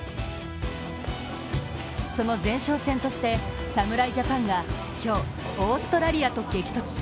その前哨戦として、侍ジャパンが今日、オーストラリアと激突。